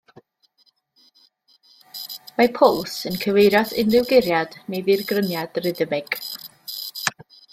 Mae pwls yn cyfeirio at unrhyw guriad neu ddirgryniad rhythmig.